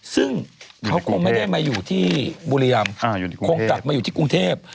ซึ่งเขาคงไม่ได้มาอยู่ที่บุรีรำคงกลับมาอยู่ที่กรุงเทพ